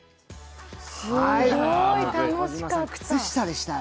すごい楽しかった。